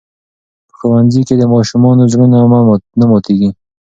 په ښوونځي کې د ماشومانو زړونه نه ماتېږي.